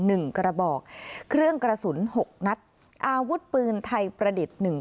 หนึ่งกระบอกเครื่องกระสุนหกนัดอาวุธปืนไทยประดิษฐ์หนึ่ง